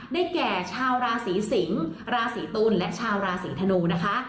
แก่ชาวราศีสิงศ์ราศีตุลและชาวราศีธนูนะคะ